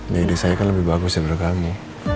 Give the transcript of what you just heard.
nah ide saya kan lebih bagus ya berarti kamu